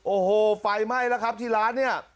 โอ้โหไฟไหม้แล้วครับที่ร้านเนี่ย